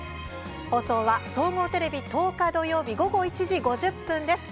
放送は、総合テレビ、１０日土曜日、午後１時５０分です。